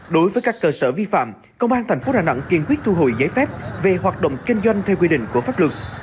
đối với các cơ sở vi phạm công an tp đà nẵng kiên quyết thu hồi giấy phép về hoạt động kinh doanh theo quy định của pháp luật